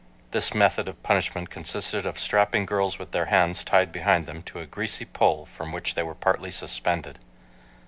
This method of punishment consisted of strapping girls with their hands tied behind them to a greasy pole from which they were partly suspended.